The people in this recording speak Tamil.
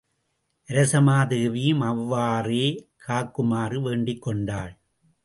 அரசமாதேவியும் அவ்வாறே காக்குமாறு வேண்டிக் கொண்டாள்.